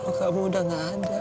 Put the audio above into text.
oh kamu udah gak ada